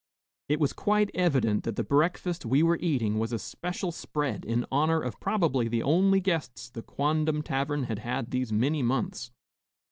It was quite evident that the breakfast we were eating was a special spread in honor of probably the only guests the quondam tavern had had these many months.